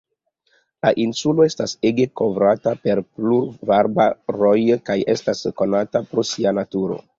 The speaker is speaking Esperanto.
La insulo estas ege kovrata per pluvarbaroj kaj estas konata pro sia naturo.